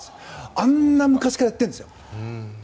あんな昔からやってるんですよ。